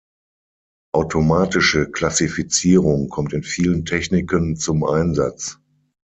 Automatische Klassifizierung kommt in vielen Techniken zum Einsatz.